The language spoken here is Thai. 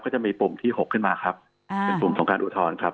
จะมีปุ่มที่๖ขึ้นมาครับเป็นปุ่มของการอุทธรณ์ครับ